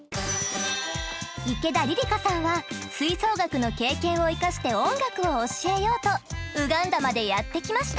池田麗里香さんは吹奏楽の経験を生かして音楽を教えようとウガンダまでやって来ました。